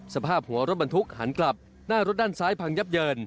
สภาพหัวรถบรรทุกหันกลับหน้ารถด้านซ้ายพังยับเยิน